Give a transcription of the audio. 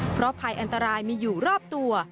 เพราะภัยอันตรายมีอยู่รอบตัว